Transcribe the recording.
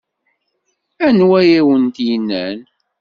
Anwa ay awent-yennan?